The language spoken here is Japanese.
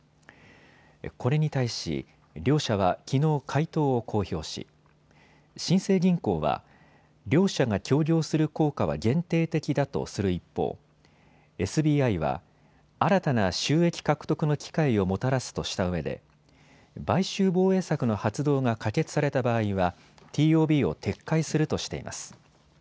これに対し両社はきのう回答を公表し新生銀行は両社が協業する効果は限定的だとする一方、ＳＢＩは新たな収益獲得の機会をもたらすとしたうえで買収防衛策の発動が可決された場合はＴＯＢを撤回するとしています。